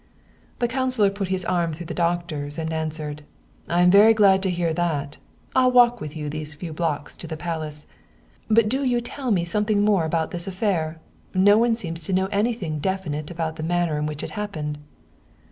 The councilor put his arm through the doctor's, and an swered :" I am very glad to hear that. I'll walk with you these few blocks to the Palace. But do you tell me some thing more about this affair. No one seems to know any thing definite about the manner in which it happened."